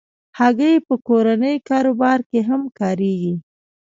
هګۍ په کورني کاروبار کې هم کارېږي.